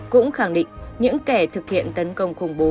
cũng khẳng định những kẻ thực hiện tấn công khủng bố